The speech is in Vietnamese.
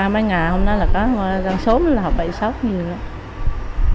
máy ngà hôm đó là có đang sốt là họ bị sốt nhiều lắm